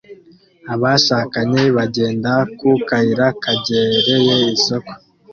Abashakanye bagenda ku kayira kegereye isoko